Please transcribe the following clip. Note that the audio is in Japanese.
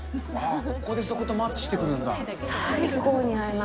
ここでそことマッチしてくるんだ。